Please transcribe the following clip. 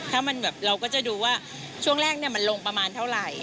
เราก็จะดูว่าช่วงแรกมันลงประมาณเท่าไหร่